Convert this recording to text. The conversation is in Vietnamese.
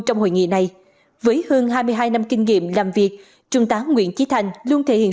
trong hội nghị này với hơn hai mươi hai năm kinh nghiệm làm việc trung tá nguyễn trí thành luôn thể hiện